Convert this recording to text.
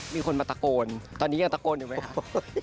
มีคนมาตะโกนตอนนี้ยังตะโกนอยู่ไหมครับ